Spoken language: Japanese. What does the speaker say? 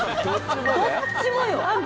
どっちもよ！